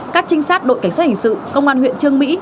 các trinh sát đội cảnh sát hình sự công an huyện trương mỹ